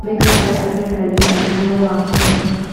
Mixed by Adrian Belew and Ken Latchney.